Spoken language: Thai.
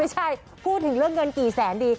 พูดถึงเรื่องเงินกี่แสนดี